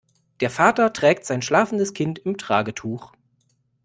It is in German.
Der Vater trägt sein schlafendes Kind im Tragetuch.